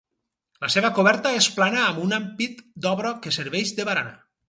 La seva coberta és plana amb un ampit d'obra que serveix de barana.